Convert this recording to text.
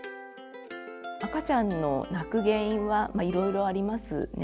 赤ちゃんの泣く原因はいろいろありますね。